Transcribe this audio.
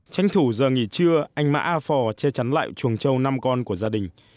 tranh thủ giờ nghỉ trưa anh mã a phò che chắn lại chuồng trâu năm con của gia đình